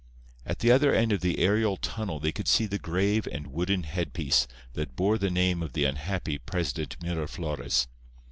At the other end of the aerial tunnel they could see the grave and wooden headpiece that bore the name of the unhappy President Miraflores.